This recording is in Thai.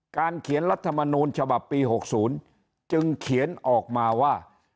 เขียนรัฐมนูลฉบับปี๖๐จึงเขียนออกมาว่า